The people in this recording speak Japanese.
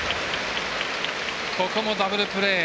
ここもダブルプレー。